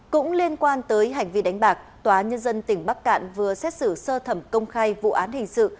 cũng liên quan tới hành vi đánh bạc tòa nhân dân tỉnh bắc cạn vừa xét xử sơ thẩm công khai vụ án hình sự